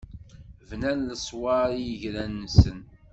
Bnan leṣwaṛ i yigran-nsen.